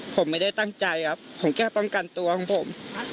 ผมไม่ได้ตั้งใจครับของแก้ป้องกันตัวผม